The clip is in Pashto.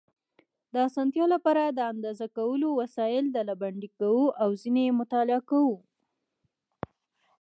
د اسانتیا لپاره د اندازه کولو وسایل ډلبندي کوو او ځینې یې مطالعه کوو.